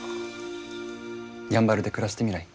やんばるで暮らしてみない？